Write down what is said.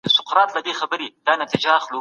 موږ اوس خپل مسؤليت بل ته ورسپارو.